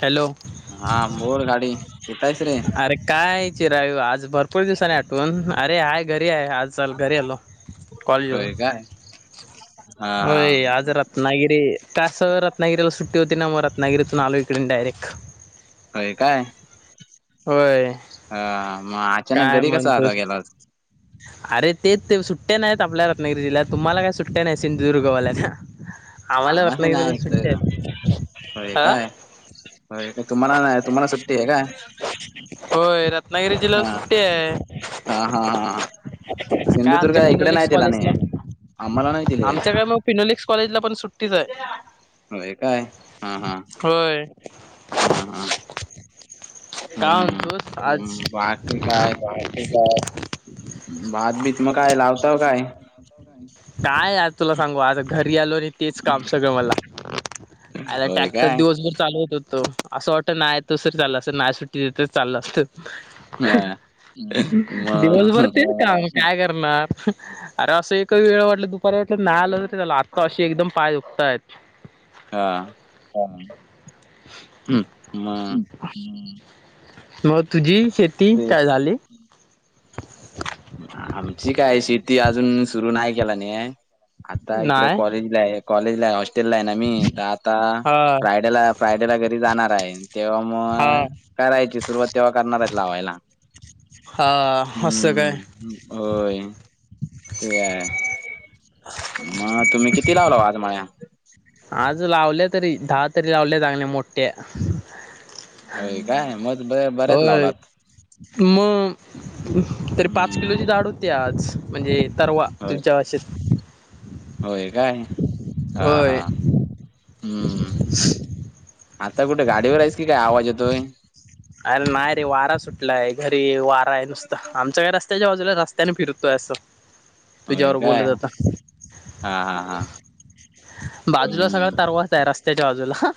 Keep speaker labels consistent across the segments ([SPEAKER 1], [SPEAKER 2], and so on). [SPEAKER 1] Hello
[SPEAKER 2] हा बोल गाडी कुठ आहेस रे
[SPEAKER 1] अरे काय. चिराय आज भरपूर दिवसाने आठवून अरे हाय घरी आहे आज. चल घरी आलो कॉलेजवरुन.
[SPEAKER 2] होय काय हा.
[SPEAKER 1] हो
[SPEAKER 2] हा
[SPEAKER 1] आज रत्नागिरी कास रत्नागिरीला सुट्टी होती ना मग रत्नागिरीतून आलोय. ईनडारेक्ट.
[SPEAKER 2] होय काय
[SPEAKER 1] होय
[SPEAKER 2] ह मग अचानक
[SPEAKER 1] काय
[SPEAKER 2] घरी कसा आला
[SPEAKER 1] म्हणतोस
[SPEAKER 2] गेलास.
[SPEAKER 1] अरे तेच ते सुट्टया नाहीत आपल्या रत्नागिरी जिल्ह्यात तुम्हाला काय सुट्टया नाही सिंधुदुर्गवाल्यालाना.
[SPEAKER 2] आम्हाला नाही इकडे
[SPEAKER 1] आहेत
[SPEAKER 2] होय
[SPEAKER 1] हा
[SPEAKER 2] काय. होय का तुम्हाला नाही तुम्हाला सुट्टी हाय काय.
[SPEAKER 1] होय रत्नागिरी जिल्ह्याला
[SPEAKER 2] हा
[SPEAKER 1] सुट्टी आहे.
[SPEAKER 2] हा हा हा
[SPEAKER 1] काय
[SPEAKER 2] सिंधुदुर्ग
[SPEAKER 1] आमच्या
[SPEAKER 2] इकडे नाही
[SPEAKER 1] फिनोलिक्स
[SPEAKER 2] दिला
[SPEAKER 1] कॉलेजला.
[SPEAKER 2] नाही आम्हाला नाही. दिले
[SPEAKER 1] आमच्या काय मग फिनोलिक्स कॉलेजला पण सुट्टीच आहे.
[SPEAKER 2] होय काय हा हा
[SPEAKER 1] होय.
[SPEAKER 2] हा हा.
[SPEAKER 1] काय
[SPEAKER 2] हम्म
[SPEAKER 1] म्हनतोस आज
[SPEAKER 2] हम्म बाकी
[SPEAKER 1] का.
[SPEAKER 2] भातबीत मग काय लावताव काय.
[SPEAKER 1] काय यार तुला सांगू आता घरी आलो आणि तेच काम सगळं मला. आला
[SPEAKER 2] होय
[SPEAKER 1] टॅक्टर
[SPEAKER 2] काय
[SPEAKER 1] दिवसभर चालू होत हो. त असं वाटत नाही तु सरी चालला असतं नाही सुट्टी देत चाल असत.
[SPEAKER 2] हा
[SPEAKER 1] दिवस
[SPEAKER 2] मग
[SPEAKER 1] भर तेच. काय करणार अरे असं एकही वेळ वाटल. दुपारी नाही आलं त्याला आत्ता अशी एकदम पाय दुखतायत.
[SPEAKER 2] हा.
[SPEAKER 1] हो्.
[SPEAKER 2] हम्म मग
[SPEAKER 1] मग तुझी शेती
[SPEAKER 2] ते
[SPEAKER 1] काय झाली?
[SPEAKER 2] आमची काय शेती अजून सुरू नाही केला नाही आता इकडे
[SPEAKER 1] नाही
[SPEAKER 2] कॉलेजला आहे कॉलेज ला आहे हॉस्टेलला आहे ना मी तर आता
[SPEAKER 1] हा
[SPEAKER 2] फ्रायडेला, फ्रायडे ला घरी जाणार आहे तेव्हा
[SPEAKER 1] हा
[SPEAKER 2] मग करायची सुरुवात तेव्हा करणारच लावायला
[SPEAKER 1] हा असत काय?
[SPEAKER 2] हम्म होय ते मग तुम्ही किती लावला? आज माळ्या
[SPEAKER 1] आज लावले तरी दहा तरी लावले चांगल्या मोठ्या
[SPEAKER 2] होय काय? म
[SPEAKER 1] हो मग तरी पाच
[SPEAKER 2] हम्म
[SPEAKER 1] किलोची ाड होती आज म्हणजे उ तर्वा
[SPEAKER 2] होय
[SPEAKER 1] तुमच्यावाशी [unintelligible]
[SPEAKER 2] होय काय? हा हा
[SPEAKER 1] होय
[SPEAKER 2] हम्म आता कुठे गाडीवर आहेयच की काय आवाज येतोय
[SPEAKER 1] अरे नाही रे वारा सुटलाय घरी वारा आहे नुसतं आमच्या घरच त्याच्या बाजूला रस्त्याने फिरतो असं
[SPEAKER 2] होय
[SPEAKER 1] तुझ्यावर बोल
[SPEAKER 2] काय हा
[SPEAKER 1] आता
[SPEAKER 2] हा हा
[SPEAKER 1] बाजूला सगळ
[SPEAKER 2] हम्म
[SPEAKER 1] तरवा तया रस्त त्याच्या बाजूला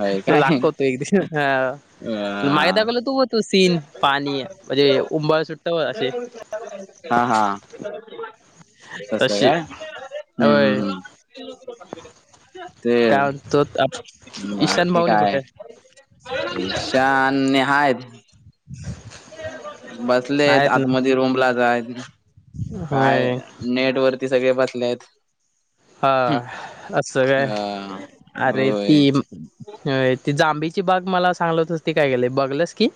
[SPEAKER 2] होय
[SPEAKER 1] लाग
[SPEAKER 2] काय
[SPEAKER 1] करतो एकद ह
[SPEAKER 2] अ
[SPEAKER 1] मागे दाखवलं तू हो तू सीन पाणी म्हणजे उंबळ सुट्टत असे
[SPEAKER 2] हा हा तस काय
[SPEAKER 1] तसे
[SPEAKER 2] हम्म
[SPEAKER 1] होय
[SPEAKER 2] हम्म हम्म ते
[SPEAKER 1] त्या तो ईशान
[SPEAKER 2] बाकी
[SPEAKER 1] भाऊनी
[SPEAKER 2] काय
[SPEAKER 1] कुठे आहे?
[SPEAKER 2] ईशान्य हायत बसलेत
[SPEAKER 1] आहेत
[SPEAKER 2] आत
[SPEAKER 1] ना
[SPEAKER 2] मध्ये रुमला जाय काय
[SPEAKER 1] होय
[SPEAKER 2] नेट वरती सगळे बसले आहेत
[SPEAKER 1] हा असं
[SPEAKER 2] अ
[SPEAKER 1] काय अरे ती
[SPEAKER 2] होय
[SPEAKER 1] अ ती जांबीची बाग मला सांगल तर त काय केले बघलस की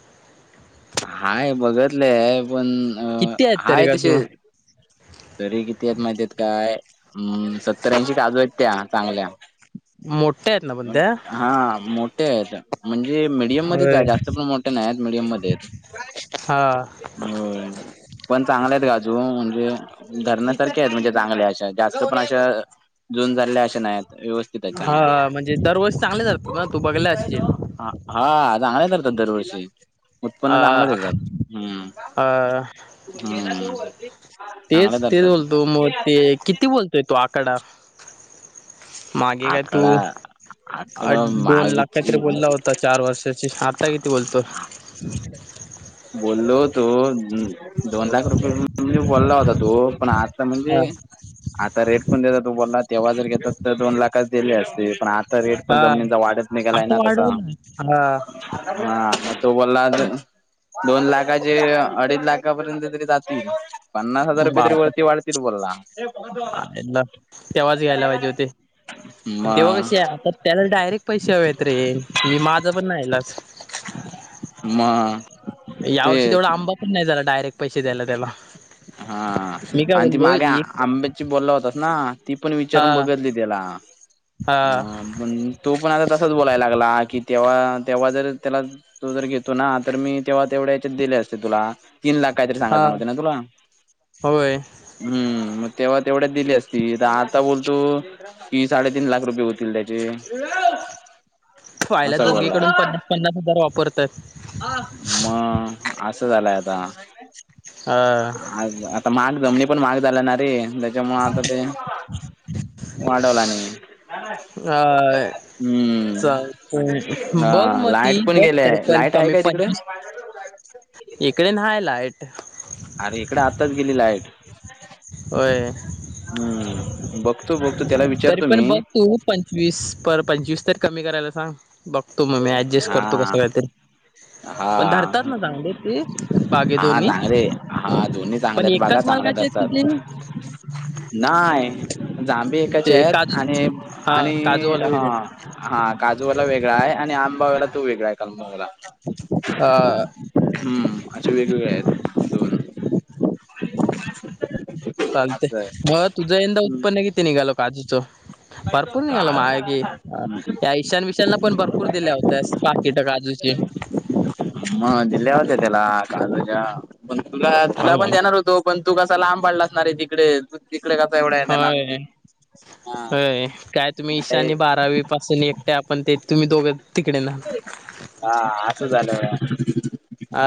[SPEAKER 2] हाय बघतलंय पण
[SPEAKER 1] किती आहेत
[SPEAKER 2] हाय
[SPEAKER 1] तरी
[SPEAKER 2] तसे
[SPEAKER 1] अजून
[SPEAKER 2] तरी किती आहेत माहितीेत काय अम सत्तर्याऐंशी काजू आहेत त्या चांगल्या
[SPEAKER 1] मोठ्या आहेत ना पण त्या
[SPEAKER 2] हा मोठे आहेत म्हणजे मीडियम मध्येच
[SPEAKER 1] होय
[SPEAKER 2] आहे जास्त पण मोठे नाही आहेत मीडियम मध्ये आहेत
[SPEAKER 1] हा
[SPEAKER 2] हो पण चांगले आहेत काजू म्हणजे धरणं तरारखे आहेत म्हणजे चांगल्या अशा जास्त पण अशा जुून झाल्या अशा नाहीत व्यवस्थित आहेत चांगल्या
[SPEAKER 1] हा म्हणजे दरवर्ष चांगले जात ना तू बघला असशील
[SPEAKER 2] ह हा आता आ तरत दरवर्षी उत्पन्न चांगलंच
[SPEAKER 1] अ
[SPEAKER 2] येतात
[SPEAKER 1] अ
[SPEAKER 2] हम्म हम्
[SPEAKER 1] तेच तेच बोलतो मग ते किती बोलतोय? तो आकडा मागे काय तू
[SPEAKER 2] आकडा आकडा
[SPEAKER 1] दोन लाख काहीतरी
[SPEAKER 2] माळविच
[SPEAKER 1] बोलला होता चार वर्षाची आता किती बोलतोय?
[SPEAKER 2] बोलो होतो दोन लाख रुपये म्हणजे बोलला होता तो पण आता
[SPEAKER 1] हा
[SPEAKER 2] म्हणजे आता रेट पण देतात तू बोलला तेव्हा जर घेत तर दोन लाख अस पण आता रेट पण
[SPEAKER 1] हा
[SPEAKER 2] जमिनींचा वाढत निघालाय
[SPEAKER 1] आता
[SPEAKER 2] ना तस
[SPEAKER 1] वाढवलं हा
[SPEAKER 2] हा म तू बोला दोन लाखाचे अडीच लाखापर्यंत तरी जातील पन्नास हजार रुपये तरी
[SPEAKER 1] बाप
[SPEAKER 2] वरती वाढतील बोलला.
[SPEAKER 1] आयला
[SPEAKER 2] हम्म
[SPEAKER 1] हे बघ पश्या आता त्याला डायरेक्ट पैसे हवेत रे मी माझं पण नाईलाज
[SPEAKER 2] म तेच
[SPEAKER 1] मी नाही जाणार डायरेक्ट पैसे द्यायला त्याला
[SPEAKER 2] हा
[SPEAKER 1] मी काय
[SPEAKER 2] आणि ते
[SPEAKER 1] बोललो
[SPEAKER 2] मागे
[SPEAKER 1] एक
[SPEAKER 2] आंबे ची बोलला होतास ना ती पण
[SPEAKER 1] हा
[SPEAKER 2] विचारून बघल ती त्याला अ
[SPEAKER 1] हा
[SPEAKER 2] तो पण आता तसाच बोलायला लागला कि तेव्हा तेव्हा जर त्याला तो जर घेतो ना तर मी तेव्हा तेवढ्या याच्यात दिले असते तुला तीन लाख काहीतरी सांगितले
[SPEAKER 1] हा
[SPEAKER 2] नव्हते ना तुला
[SPEAKER 1] होय
[SPEAKER 2] हम्म मग तेव्हा तेवढ्याच दिली असती तर आता बोलतो की साडेतीन लाख रुपये होतील त्याचे
[SPEAKER 1] तो आयला
[SPEAKER 2] असा बोलला
[SPEAKER 1] दोघीकडून पन्नास पन्नास हजार वापरतात.
[SPEAKER 2] मग असं झालंय आता
[SPEAKER 1] अ
[SPEAKER 2] आता मग जमनी पण महाग झाला ना रे त्याच्यामुळ आता ते वाढवला आणि
[SPEAKER 1] अ
[SPEAKER 2] हम्म
[SPEAKER 1] चालतंय बघ
[SPEAKER 2] हा
[SPEAKER 1] मग
[SPEAKER 2] लाईट
[SPEAKER 1] ती
[SPEAKER 2] पण
[SPEAKER 1] बघ
[SPEAKER 2] गेलेय
[SPEAKER 1] तरी पण
[SPEAKER 2] लाईट आहे
[SPEAKER 1] कमी
[SPEAKER 2] काय तिकडे?
[SPEAKER 1] पंचवीस इकडे नाय लाईट.
[SPEAKER 2] अरे इकडे आत्ताच गेली लाईट
[SPEAKER 1] होय
[SPEAKER 2] हम्म बघतो बघतो त्याला
[SPEAKER 1] तरी
[SPEAKER 2] विचारतो
[SPEAKER 1] पण
[SPEAKER 2] मी
[SPEAKER 1] बघ तू पंचवीस बर पंचवीस तर कमी करायला सांग बघतो मग मी ऍडजस्ट
[SPEAKER 2] हा
[SPEAKER 1] करतो कसं काहीतरी
[SPEAKER 2] हा
[SPEAKER 1] पण धरतात ना चांगले ते बागे
[SPEAKER 2] हा
[SPEAKER 1] दोन्ही
[SPEAKER 2] चांगले हा दोन्ही
[SPEAKER 1] पण
[SPEAKER 2] चांगल्यात बघा
[SPEAKER 1] एकाच
[SPEAKER 2] चांगल्यात
[SPEAKER 1] मालकाचे आहेत
[SPEAKER 2] आता
[SPEAKER 1] कि ते
[SPEAKER 2] [unintelligible] नाही आंबे एकाचे
[SPEAKER 1] ते
[SPEAKER 2] आहेत
[SPEAKER 1] काजू
[SPEAKER 2] आणि
[SPEAKER 1] हा
[SPEAKER 2] आणि
[SPEAKER 1] काजूवाला
[SPEAKER 2] ह
[SPEAKER 1] वेगळे
[SPEAKER 2] हा काजूवाला वेगळा आहे आणि आंबावाला तो वेगळा आहे कलमंगलावाला
[SPEAKER 1] अ
[SPEAKER 2] हम्म असे वेगवेगळे आहेत दोन [unintelligible]
[SPEAKER 1] चालतय
[SPEAKER 2] असं आहे
[SPEAKER 1] मग तुझं यंदा
[SPEAKER 2] हम्म.
[SPEAKER 1] उत्पन्न किती निघाल काजूचं भरपूर निघाल माय गे अ या ईशान विशान पण भरपूर दिल्या होत्या पाकिट काजूची
[SPEAKER 2] मग दिल्ल्या होत त्याला काजूच्या पण तुला तुला पण
[SPEAKER 1] होय
[SPEAKER 2] देणार होतो. पण तू कसा लांब पडलास नारे तिकडे मग तिकडे कसा एवढा येणार आत
[SPEAKER 1] होय होय काय तुम्ही
[SPEAKER 2] ते
[SPEAKER 1] ईशानी बारावी पासून एकटे आपण ते तुम्ही दोघं तिकडे ना
[SPEAKER 2] हा असं झालं ना
[SPEAKER 1] अ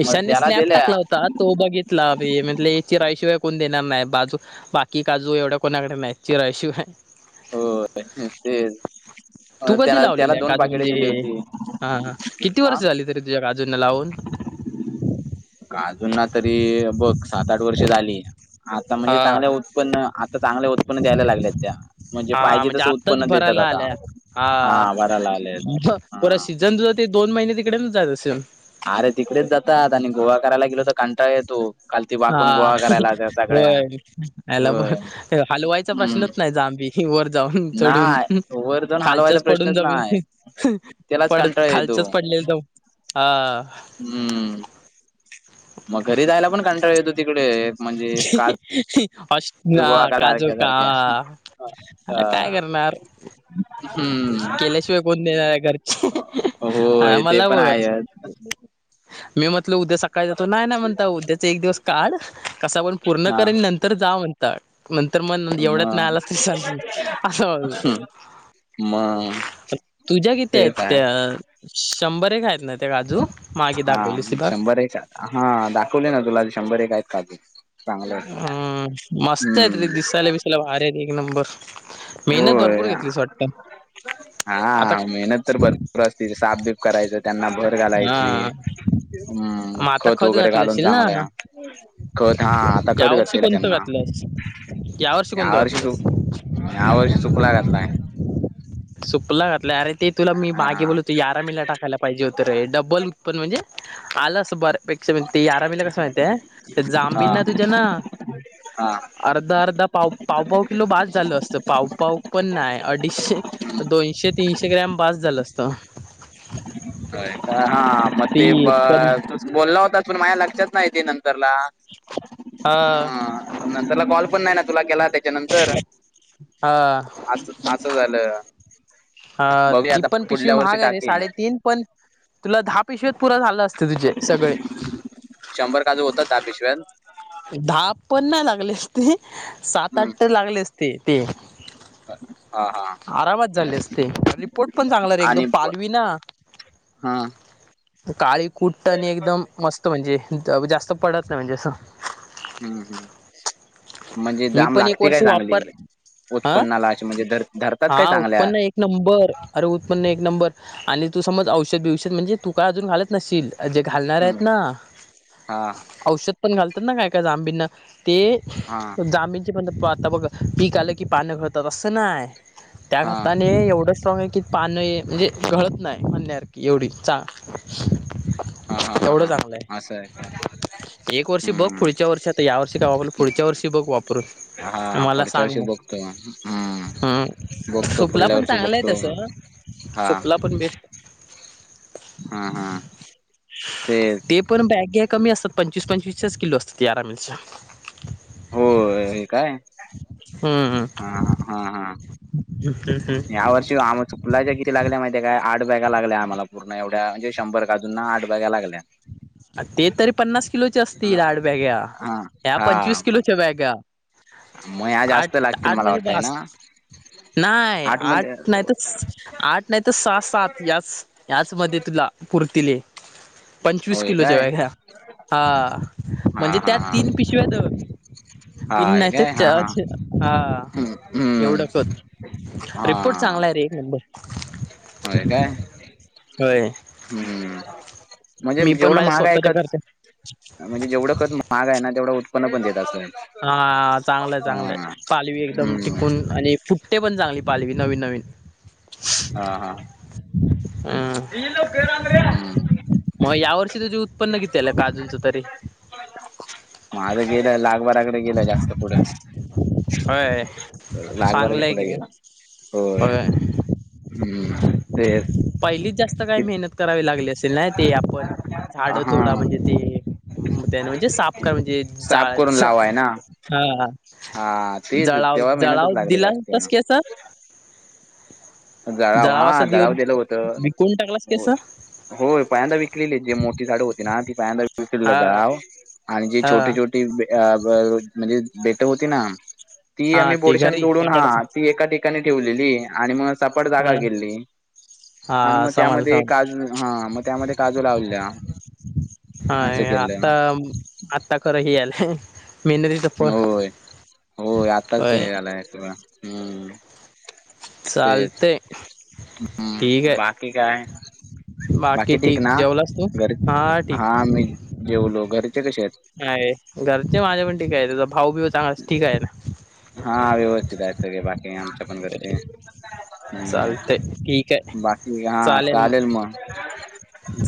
[SPEAKER 1] ईशान्य
[SPEAKER 2] त्याला
[SPEAKER 1] स्नॅप
[SPEAKER 2] दिल्या
[SPEAKER 1] टाकला होता आज तो बघितला बे म्हटले इचारल्या शिवाय कोण देणार नाही काजू बाकी काजू एवढ्या कोणाकडे नाही चीम्या शिवाय
[SPEAKER 2] हो [unintelligible]
[SPEAKER 1] तू कधी
[SPEAKER 2] त्याला त्याला
[SPEAKER 1] लावलेला
[SPEAKER 2] दोन
[SPEAKER 1] काजू
[SPEAKER 2] पाकिटे
[SPEAKER 1] ते
[SPEAKER 2] दिली होती
[SPEAKER 1] हा किती वर्ष
[SPEAKER 2] हा
[SPEAKER 1] झाली कीती झाली तूझ्या काजूना लावुन
[SPEAKER 2] काजूना तरी बघ सात आठ वर्षे झाली आता म्हणजे
[SPEAKER 1] हा
[SPEAKER 2] चांगल्या उत्पन्न आ तर चांगले उत्पन्न द्यायला लागल्यात त्या म्हणजे
[SPEAKER 1] हा
[SPEAKER 2] पाहिजे तसं
[SPEAKER 1] आत्ताच
[SPEAKER 2] उत्पन्न देतात
[SPEAKER 1] भरायला
[SPEAKER 2] आता.
[SPEAKER 1] आल्या
[SPEAKER 2] हा वाढाय लागलेत.
[SPEAKER 1] पुन्हा
[SPEAKER 2] हा
[SPEAKER 1] सीझन साठी दोन महिने तिकडेच जात असेन.
[SPEAKER 2] आरे तिकडेच जातात आणि गोळा करायला गेलो तर कंटाळा येतो. खालती वाकून
[SPEAKER 1] हा
[SPEAKER 2] गोवा करायला त्या सगळ्या
[SPEAKER 1] होय याला
[SPEAKER 2] होय
[SPEAKER 1] पण हलवायचा
[SPEAKER 2] हम्म
[SPEAKER 1] प्रश्नच नाही जांबी ते वर जाऊन, चढून
[SPEAKER 2] नाय वर जाऊन
[SPEAKER 1] [inaudible]
[SPEAKER 2] हलवायचा
[SPEAKER 1] खालच्याच पडून
[SPEAKER 2] प्रश्नच
[SPEAKER 1] जमीन
[SPEAKER 2] नाय
[SPEAKER 1] फेक
[SPEAKER 2] त्यालाच
[SPEAKER 1] पड
[SPEAKER 2] कंटाळा येतो
[SPEAKER 1] खालचच पडलेलं दम हा.
[SPEAKER 2] उंमम. मग घरी जायला पण कंटाळा येतो तिकडे. म्हणजे का
[SPEAKER 1] [inaudible] औष न्हा
[SPEAKER 2] गोळा का
[SPEAKER 1] काजू
[SPEAKER 2] सारख्या
[SPEAKER 1] का
[SPEAKER 2] सारख्या
[SPEAKER 1] काय
[SPEAKER 2] अ
[SPEAKER 1] करणार?
[SPEAKER 2] हम्म
[SPEAKER 1] केल्याशिवाय कोण देनार हाय घरचे, आ
[SPEAKER 2] होय ते
[SPEAKER 1] मला
[SPEAKER 2] पण
[SPEAKER 1] गोव्याच
[SPEAKER 2] आहेच
[SPEAKER 1] मी म्हटल उद्या सकाळी जातो, नाही ना म्हणता उद्याचा एक दिवस काढ कसा पण पूर्ण
[SPEAKER 2] हा
[SPEAKER 1] करेन नंतर जावून. तर नंतर मग एवढ्यात नाही
[SPEAKER 2] मग
[SPEAKER 1] आलास तल चालेल असा वा
[SPEAKER 2] मग
[SPEAKER 1] तुझ्या किती आहेत
[SPEAKER 2] तेच आहे
[SPEAKER 1] त्या? शंभर एक हायेत ना, ते काजू मागे
[SPEAKER 2] हा
[SPEAKER 1] दाखवलीस ती बाग.
[SPEAKER 2] शंभर एक हा दाखवले ना तुला, शंभर एक आहेत काजू. चांगले आहेत
[SPEAKER 1] हूम्म मस्त हायेत रे,
[SPEAKER 2] हम्म
[SPEAKER 1] दिसायला, बिसायला भारी हायेत एक नंबर. मेहनत
[SPEAKER 2] होय
[SPEAKER 1] भरपूर घेतलीस वाटत. आता
[SPEAKER 2] हा मेहनत तर भर पूर असती, सापबीप करायचं त्यांना भर घालायची,
[SPEAKER 1] हा
[SPEAKER 2] हम्
[SPEAKER 1] मग आता
[SPEAKER 2] खत वगैरे
[SPEAKER 1] घातलं
[SPEAKER 2] घालून
[SPEAKER 1] असशील ना
[SPEAKER 2] चांगल्या खत हा, आता खत
[SPEAKER 1] यावर्षी
[SPEAKER 2] घातलेला
[SPEAKER 1] कोणतं
[SPEAKER 2] त्यांना,
[SPEAKER 1] घातलंस? यावर्षी
[SPEAKER 2] या
[SPEAKER 1] कोणतं
[SPEAKER 2] वर्षी सु
[SPEAKER 1] घातलंस?
[SPEAKER 2] ह्या वर्षी सूफला घातलाय.
[SPEAKER 1] सुपला घातला, अरे ते तुला मी
[SPEAKER 2] हा
[SPEAKER 1] मागे बोललो तो यारा मीला टाकायला पाहिजे होत रे, डबल उत्पन म्हणजे आल आस बर पेक्षा मिलते, यारा मीला कसं माहिती हाय?
[SPEAKER 2] हा
[SPEAKER 1] जामबिना तुझ्या ना
[SPEAKER 2] हा
[SPEAKER 1] अर्धा, अर्धा, पाव, पावपाव किलो बास झाल असतं, पावपाव पण नाय, आडीशे दोनशे, तीनशे ग्रॅम बास झालं असत.
[SPEAKER 2] होय, हा मग
[SPEAKER 1] ती
[SPEAKER 2] ब
[SPEAKER 1] पण
[SPEAKER 2] ते तू बोलला होतास पण माझ्या लक्षात नाही ते नं तरला
[SPEAKER 1] ह
[SPEAKER 2] हा. नंतरला कॉल पण नाही ना तुला केला, त्याच्या नंतर
[SPEAKER 1] हा
[SPEAKER 2] आस. आसं झालं.
[SPEAKER 1] हा
[SPEAKER 2] बघूया
[SPEAKER 1] ती
[SPEAKER 2] आता
[SPEAKER 1] पण पिशवी
[SPEAKER 2] पुढल्या वर्षी
[SPEAKER 1] म्हाग हाय रे,
[SPEAKER 2] टाकेन
[SPEAKER 1] साडेतीन पण तुला दहा पिशवित पुरा झालं असत तुझे सगळे.
[SPEAKER 2] शंभर काजू होतात धा पिशव्यानत.
[SPEAKER 1] दहा पण नाही लागले असते, सात- आठ
[SPEAKER 2] हम्म
[SPEAKER 1] तर लागले असते ते.
[SPEAKER 2] हा हा
[SPEAKER 1] आरामात झाले असते. रिपोर्ट पण चांगला रे एकदम
[SPEAKER 2] आणि प-
[SPEAKER 1] पालवी ना?
[SPEAKER 2] हा.
[SPEAKER 1] काळी कुट्ट आणि एकदम मस्त म्हणजे ज जास्त पडत नाही म्हणजे आसं.
[SPEAKER 2] हू हू. म्हणजे
[SPEAKER 1] मी
[SPEAKER 2] जाम
[SPEAKER 1] पण एक
[SPEAKER 2] लागते
[SPEAKER 1] वर्ष
[SPEAKER 2] काय चांगली?
[SPEAKER 1] वापर हा
[SPEAKER 2] उत्पन्नाला अशी म्हणजे धर धरतात काय
[SPEAKER 1] हा
[SPEAKER 2] चांगल्या
[SPEAKER 1] उत्पन्न एक नंबर अरे उत्पन्न एक नंबर आणि तू समज औषध बिवषध म्हणजे तू काय अजून घालत नसशील आ जे घालणार
[SPEAKER 2] हम्म
[SPEAKER 1] हायेत ना?
[SPEAKER 2] हा
[SPEAKER 1] औषध पण घालतात ना, काय -काय जांबिंना ते
[SPEAKER 2] हा
[SPEAKER 1] जाबिंनचे म्हण आता बघ पीक आलं की पाणी घळतात, असं नाय. त्या
[SPEAKER 2] हा
[SPEAKER 1] खाताने एवढं स्ट्रॉंग आहे की,, पानं ये म्हणजे घळत नाही म्हणण्यासारखीं एवढी चा
[SPEAKER 2] हा-हा -हा
[SPEAKER 1] एवढं
[SPEAKER 2] -हा
[SPEAKER 1] चांगलं
[SPEAKER 2] असं आहे काय.
[SPEAKER 1] एक वर्षी बघ पुढच्या वर्षी आता या वर्षी काय वापरलं पुढच्या वर्षी बघ वापरून.
[SPEAKER 2] हां हा
[SPEAKER 1] मला
[SPEAKER 2] पुढच्या
[SPEAKER 1] सांग
[SPEAKER 2] वर्षी
[SPEAKER 1] मग
[SPEAKER 2] बघतो, हूं
[SPEAKER 1] हम्म
[SPEAKER 2] बघतो पुढल्या वर्षी बघतो. हां
[SPEAKER 1] तुपला पण बेस्ट
[SPEAKER 2] हां हां ते
[SPEAKER 1] ते पण बॅग्या कमी असतात पंचवीस-पंचवीसच्याच किलो असतात यारामलच्या.
[SPEAKER 2] होय... काय.
[SPEAKER 1] हूं
[SPEAKER 2] हां-हां -हा -हा.
[SPEAKER 1] [unintelligible]
[SPEAKER 2] या वर्षीच आमचो फुलाच्या किती लागल्या माहिती काय? आठ बॅगा लागल्या आम्हांला पूर्ण एवढ्या म्हणजे शंभर काजूंना आठ बॅगा लागल्या.
[SPEAKER 1] ते तरी पन्नास किलोच्या असतील आठ बॅग्या
[SPEAKER 2] हा
[SPEAKER 1] या
[SPEAKER 2] हा
[SPEAKER 1] पंचवीस
[SPEAKER 2] पण
[SPEAKER 1] किलोच्या बॅग्या.
[SPEAKER 2] मया
[SPEAKER 1] आठ
[SPEAKER 2] जास्त लागतील
[SPEAKER 1] आठ
[SPEAKER 2] मला
[SPEAKER 1] मध्ये
[SPEAKER 2] वाटतय
[SPEAKER 1] बास
[SPEAKER 2] ना
[SPEAKER 1] नाही आठ नाही तर, आठ नाही तर सहा-सात याच याच मध्ये तुला पूर्तीले पण वीस
[SPEAKER 2] होय
[SPEAKER 1] किलोच्या
[SPEAKER 2] काय
[SPEAKER 1] बॅग्या हा
[SPEAKER 2] हा
[SPEAKER 1] म्हणजे
[SPEAKER 2] हा
[SPEAKER 1] त्यात
[SPEAKER 2] हा
[SPEAKER 1] तीन पिशव्यात धर तीन
[SPEAKER 2] हाय
[SPEAKER 1] नाहीतर
[SPEAKER 2] काय हा हा
[SPEAKER 1] चार हा
[SPEAKER 2] हम्म हम्म
[SPEAKER 1] एवढं खत. रिपोर्ट चांगला आहे रे एक नंबर.
[SPEAKER 2] व्हयं काय
[SPEAKER 1] होय
[SPEAKER 2] हूं.. म्हणजे
[SPEAKER 1] मी पण
[SPEAKER 2] जेवढं
[SPEAKER 1] माझ्या
[SPEAKER 2] महाग आहे
[SPEAKER 1] स्वतःच्या
[SPEAKER 2] खत
[SPEAKER 1] करते
[SPEAKER 2] म्हणजे जेवढं खत महाग आहे ना, तेवढं उत्पन्न पण देत असंन.
[SPEAKER 1] हा चांगलंय चांगलंय पालवी एकदम
[SPEAKER 2] हम्म
[SPEAKER 1] टिकून आणि फुट ते पण चांगली पालवी नवीन -नवीन..
[SPEAKER 2] हां हां
[SPEAKER 1] हां..
[SPEAKER 2] हम्म
[SPEAKER 1] मग यावर्षी तुझे उत्पन्न किती आलंय काजूंचं तरी?
[SPEAKER 2] माझं गेलंय लाखबरा कडे गेलंय जास्त पुढे.
[SPEAKER 1] होय
[SPEAKER 2] लाखभराच्या
[SPEAKER 1] चांगलं आहे
[SPEAKER 2] पुढे
[SPEAKER 1] की
[SPEAKER 2] गेला होय.... हूं तेच
[SPEAKER 1] पहिलीच जास्त काही मेहनत करावी लागली असेल नाय, ते आपण झाडं तोडा
[SPEAKER 2] हा
[SPEAKER 1] म्हणजे ते त्याने म्हणजे सापकार म्हणजे
[SPEAKER 2] साफ
[SPEAKER 1] जाळत
[SPEAKER 2] करून
[SPEAKER 1] जा
[SPEAKER 2] लावाय ना
[SPEAKER 1] हा
[SPEAKER 2] हा तेच
[SPEAKER 1] जळाव
[SPEAKER 2] तेव्हा
[SPEAKER 1] जळाव
[SPEAKER 2] मेहनतच लागली
[SPEAKER 1] दिला
[SPEAKER 2] जास्त
[SPEAKER 1] होतास की असं
[SPEAKER 2] जळाव
[SPEAKER 1] जळावा असं
[SPEAKER 2] हा जळाव
[SPEAKER 1] देऊन
[SPEAKER 2] दिलं होतं
[SPEAKER 1] विकून टाकलास की
[SPEAKER 2] हो
[SPEAKER 1] असं
[SPEAKER 2] होय पाहिल्यांदा विकलेली जे मोठी झाडं होती ना ती पायंदा विकलेली
[SPEAKER 1] हा
[SPEAKER 2] जाव आणि जी
[SPEAKER 1] हा
[SPEAKER 2] छोटी छोटी अ बं म्हणजे देटं होती ना, ती
[SPEAKER 1] हा
[SPEAKER 2] आम्ही
[SPEAKER 1] ते
[SPEAKER 2] बोडशान
[SPEAKER 1] घरी
[SPEAKER 2] तोडून हा
[SPEAKER 1] लाकडाचं
[SPEAKER 2] ती एका ठिकाणी ठेवलेली आणि मग सपाट जागा
[SPEAKER 1] हा
[SPEAKER 2] केलेली. आणि
[SPEAKER 1] हा
[SPEAKER 2] मग
[SPEAKER 1] समजलं
[SPEAKER 2] त्यामध्ये
[SPEAKER 1] समजलं
[SPEAKER 2] काजू हा मग त्यामध्ये काजू लावलेल्या,
[SPEAKER 1] हाय आत्ता आत्ता खरं हे आलंय मेहनतीचं फळ
[SPEAKER 2] होय, होय आत्ताच ते
[SPEAKER 1] होय
[SPEAKER 2] आलाय सगळं हूं
[SPEAKER 1] चालतय - -
[SPEAKER 2] हम्म बाकी काय? बाकी ठीक ना? घर -हा मी जेवलो. घरचे कसे आहेत?
[SPEAKER 1] आहे घरचे माझ्या पण ठीकय आहे तचा भाऊ - बिव चांगलाच ठीक आहे ना?
[SPEAKER 2] हा व्यवस्थित आहेत सगळे बाकी आमच्या पण घरचे. हम्म
[SPEAKER 1] चालतय ठीक आहे
[SPEAKER 2] बाकी हा चालेल मग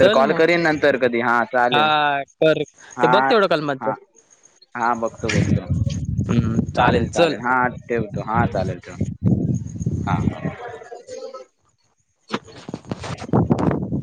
[SPEAKER 2] तर
[SPEAKER 1] चल
[SPEAKER 2] कॉल
[SPEAKER 1] मग
[SPEAKER 2] करीन नंतर कधी हा चालेल.
[SPEAKER 1] हा कर ते
[SPEAKER 2] हा.
[SPEAKER 1] बघ तेवढं कलमांच
[SPEAKER 2] हा. हा बघतो. बघतो.
[SPEAKER 1] हम्म
[SPEAKER 2] चालेल चालेल. हा ठेवतो. हा चालेल. ठेवतो. हा
[SPEAKER 1] [inaudible]